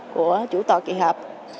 của chủ tòa kỳ hợp